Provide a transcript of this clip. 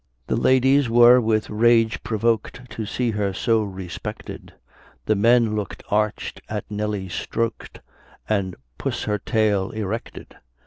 The ladies were with rage provok'd, To see her so respected; The men look'd arch as Nelly strok'd, And puss her tail erected.